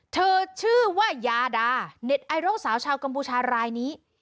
ชื่อว่ายาดาเน็ตไอดอลสาวชาวกัมพูชารายนี้